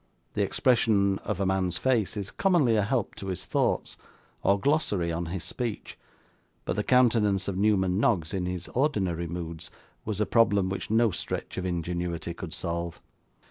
The expression of a man's face is commonly a help to his thoughts, or glossary on his speech; but the countenance of Newman Noggs, in his ordinary moods, was a problem which no stretch of ingenuity could solve.